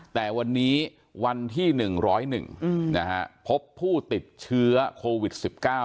แต่วันนี้วันที่หนึ่งร้อยหนึ่งอืมนะฮะพบผู้ติดเชื้อโควิดสิบเก้า